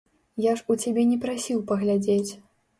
Я ж у цябе не прасіў паглядзець.